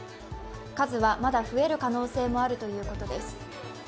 数はまだ増える可能性もあるということです。